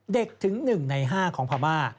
เด็กถึงหนึ่งในห้าของพม่า